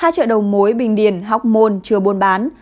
hai chợ đầu mối bình điền hóc môn chưa buôn bán